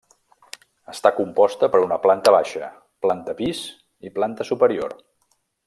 Està composta per una planta baixa, planta pis i planta superior.